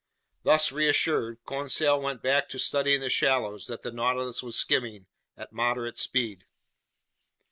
Thus reassured, Conseil went back to studying the shallows that the Nautilus was skimming at moderate speed.